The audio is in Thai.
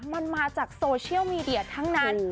มันมาจากโซเชียลมีเดียทั้งนั้น